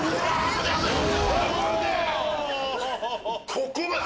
ここまで。